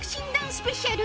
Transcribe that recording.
スペシャル